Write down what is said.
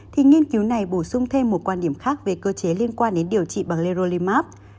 thì nghiên cứu này bổ sung thêm một quan điểm khác về cơ chế liên quan đến điều trị bằng lerolimax